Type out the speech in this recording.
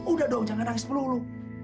udah dong jangan nangis pelulu